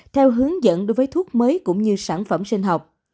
theo hướng dẫn đối với thuốc mới cũng như sản phẩm sinh học